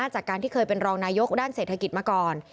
จากการที่เคยเป็นรองนายกด้านเศรษฐกิจมาก่อน